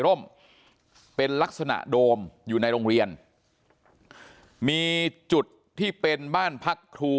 ร่มเป็นลักษณะโดมอยู่ในโรงเรียนมีจุดที่เป็นบ้านพักครู